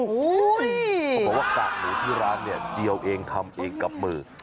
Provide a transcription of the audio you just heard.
เขาบอกว่ากากหมูที่ร้านเนี่ยเจียวเองทำเองกับมือ